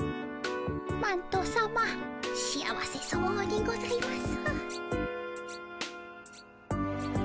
マントさま幸せそうにございます。